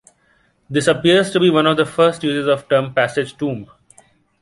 This appears to be one of the first uses of the term passage tomb.